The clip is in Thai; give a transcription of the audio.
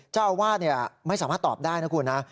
เจ้าอาวาสไม่สามารถตอบได้นะคุณนะ